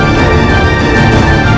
masukin lu cepat